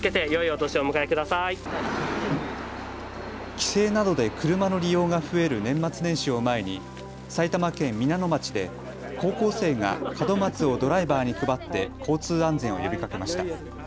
帰省などで車の利用が増える年末年始を前に埼玉県皆野町で高校生が門松をドライバーに配って交通安全を呼びかけました。